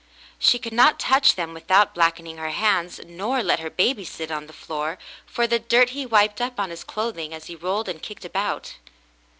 She could not touch them without blackening her hands, nor let her baby sit on the floor for the dirt he wiped up on his cloth ing as he rolled and kicked about.